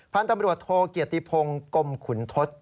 พันธุ์ตำรวจโทเกียรติพงศ์กรมขุนทศ